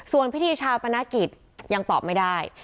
ส่วนพิธีชาปนกิจยังตอบไม่ได้